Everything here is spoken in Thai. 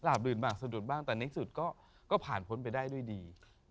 ลื่นบ้างสะดุดบ้างแต่ในสุดก็ผ่านพ้นไปได้ด้วยดี